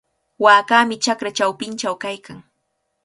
Waakami chakra chawpinchaw kaykan.